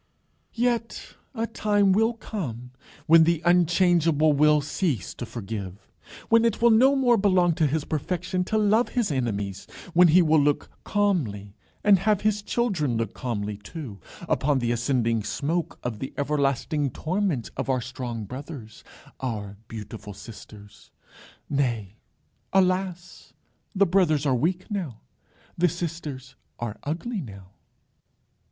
Yet a time will come when the Unchangeable will cease to forgive; when it will no more belong to his perfection to love his enemies; when he will look calmly, and have his children look calmly too, upon the ascending smoke of the everlasting torments of our strong brothers, our beautiful sisters! Nay, alas! the brothers are weak now; the sisters are ugly now!